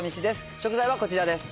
食材はこちらです。